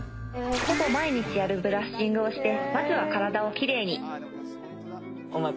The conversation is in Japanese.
ほぼ毎日やるブラッシングをしてまずは体をキレイにお前